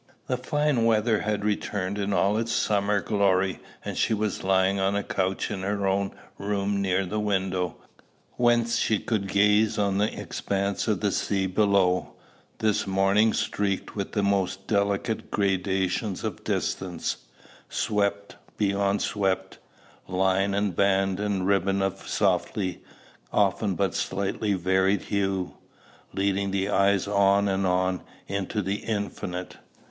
The fine weather had returned in all its summer glory, and she was lying on a couch in her own room near the window, whence she could gaze on the expanse of sea below, this morning streaked with the most delicate gradations of distance, sweep beyond sweep, line and band and ribbon of softly, often but slightly varied hue, leading the eyes on and on into the infinite.